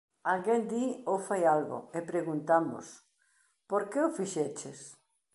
Alguén di ou fai algo e preguntamos "por que o fixeches?".